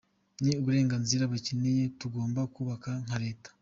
Ni uburenganzira bakeneye tugomba kubaka nka Leta.